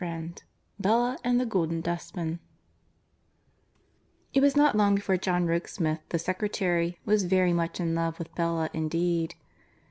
IV BELLA AND THE GOLDEN DUSTMAN It was not long before John Rokesmith, the secretary, was very much in love with Bella indeed.